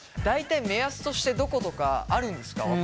大体目安としてどことかあるんですか？